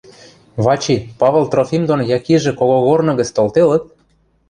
Вачи, Павыл Трофим дон Якижӹ когогорны гӹц толделыт?